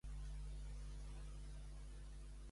A quina estació de ràdio va començar a locutar?